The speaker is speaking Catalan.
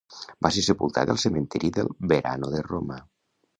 Va ser sepultat al Cementiri del Verano de Roma.